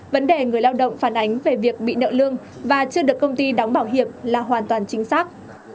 vấn đề người lao động phản ánh về việc bị nợ lương và chưa được công ty đóng bảo hiểm là hoàn toàn chính xác